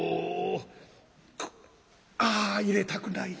ああ入れたくない。